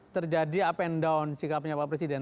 terjadi up and down sikapnya pak presiden